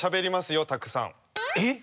えっ？